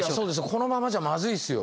このままじゃまずいですよ。